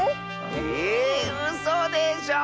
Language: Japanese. ええうそでしょ